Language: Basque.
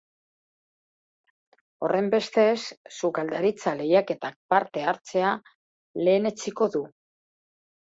Horrenbestez, sukaldaritza lehiaketak parte hartzea lehenetsiko du.